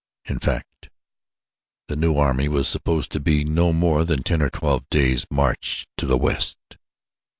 In fact the new army was supposed to be no more than ten or twelve days' march to the west.